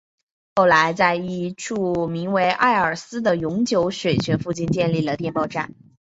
后来在一处名为爱丽斯的永久水泉附近建立了电报站。